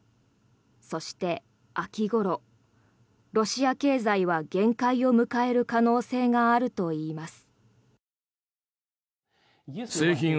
そして、秋ごろロシア経済は限界を迎える可能性があるといいます。